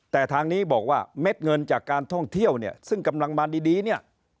แต่ทางนี้บอกว่าเม็ดเงินจากการท่องเที่ยวเนี่ยซึ่งกำลังมาดีเนี่ย